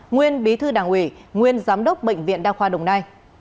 nguyên bí thư đảng ủy nguyên giám đốc bệnh viện đa khoa đồng nai